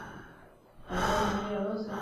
هغه مرغۍ راواخیسته او کوټې ته ننووت.